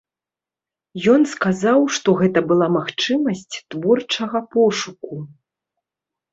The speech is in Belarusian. Ён сказаў, што гэта была магчымасць творчага пошуку.